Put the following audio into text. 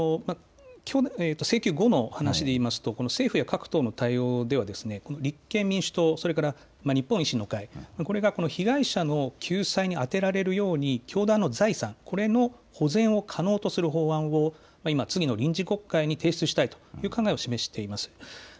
請求後の話しで言いますと政府は各党の対応では立憲民主党、それから日本維新の会、これが被害者の救済に充てられるように教団の財産の保全を可能とする法案を今、次の臨時国会に提出したいという考えを示しています。